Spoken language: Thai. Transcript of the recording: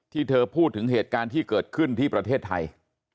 เธอพูดถึงเหตุการณ์ที่เกิดขึ้นที่ประเทศไทย